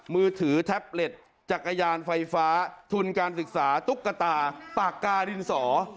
มือถือแท็บเล็ตจักรยานไฟฟ้าทุนการศึกษาตุ๊กตาปากกาดินสอ